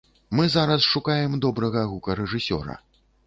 Мы зараз шукаем добрага гукарэжысёра.